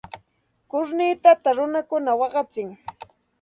Kurnitata runakuna waqachin.